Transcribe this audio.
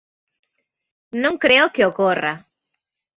Non creo que ocorra.